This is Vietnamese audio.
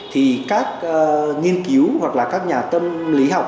thì các nghiên cứu hoặc là các nhà tâm lý học